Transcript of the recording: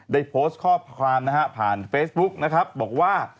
ได้โพสต์ข้อความผ่านเฟซบุ๊คบอกว่า